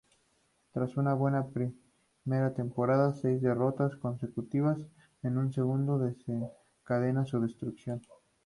Tras una buena primera temporada, seis derrotas consecutivas en su segundo desencadena su destitución.